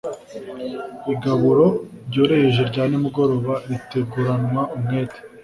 Igaburo ryoroheje rya nimugoroba riteguranywa umwete.